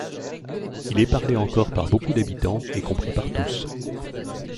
Il est parlé encore par beaucoup d'habitants et compris par tous.